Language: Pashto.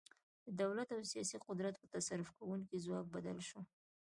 د دولت او سیاسي قدرت په تصرف کوونکي ځواک بدل شو.